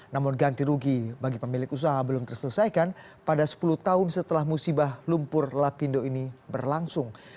namun ganti rugi bagi pemilik usaha belum terselesaikan pada sepuluh tahun setelah musibah lumpur lapindo ini berlangsung